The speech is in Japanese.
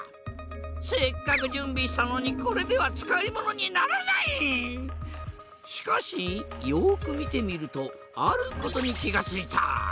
せっかく準備したのにこれでは使い物にならない！しかしよく見てみるとあることに気が付いた。